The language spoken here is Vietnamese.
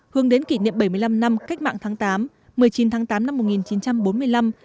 hướng đến kỷ niệm bảy mươi năm năm cách mạng tháng tám một mươi chín tháng tám năm một nghìn chín trăm bốn mươi năm